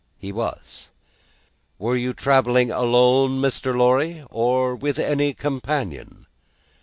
"He was." "Were you travelling alone, Mr. Lorry, or with any companion?"